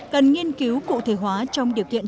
cần nghiên cứu cụ thể hóa trong điều kiện